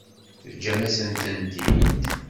Teǧǧam-asent-tent-id?